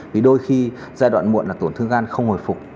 vì đôi khi giai đoạn muộn là tổn thương gan không hồi phục